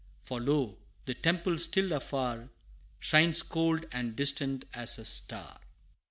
For lo! the temple, still afar, Shines cold and distant as a star.